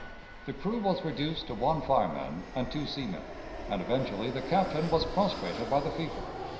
The crew was reduced to one fireman and two seamen, and eventually the Captain was prostrated by the fever.